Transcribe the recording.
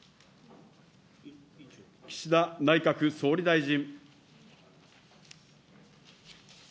岸田内閣総理大臣。